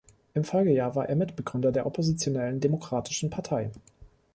Im Folgejahr war er Mitgründer der oppositionellen Demokratischen Partei.